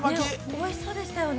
◆おいしそうでしたよね。